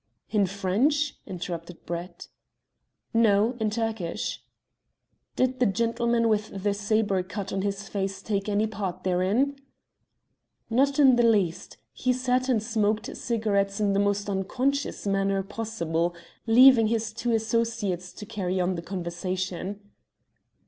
"In French?" interrupted Brett. "No; in Turkish." "Did the gentleman with the sabre cut on his face take any part therein?" "Not in the least. He sat and smoked cigarettes in the most unconscious manner possible, leaving his two associates to carry on the conversation."